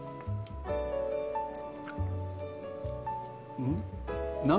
うん？